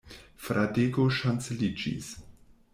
Fradeko ŝanceliĝis.